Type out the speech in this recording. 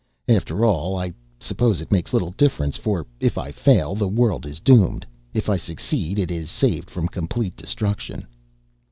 After all, I suppose it makes little difference, for if I fail the world is doomed, if I succeed it is saved from complete destruction.